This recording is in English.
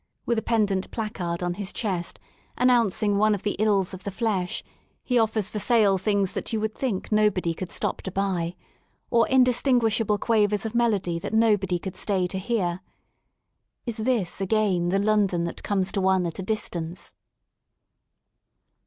With a pendent placard on his chest, announcing one of the ills of the flesh, he offers for sale things that you would think nobody could stop to buy, or indistinguishable quavers of melody that nobody could stay to bean Is this again the London that comes to one at a distance?